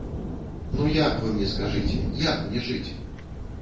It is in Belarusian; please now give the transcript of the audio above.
Ну як, вы мне скажыце, як мне жыць?